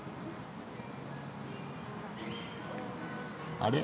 あれ？